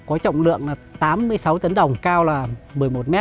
có trọng lượng là tám mươi sáu tấn đồng cao là một mươi một m